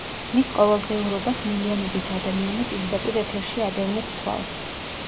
მის ყოველდღიურობას მილიონობით ადამიანი პირდაპირ ეთერში ადევნებს თვალს.